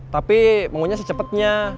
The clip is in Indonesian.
tapi maunya secepetnya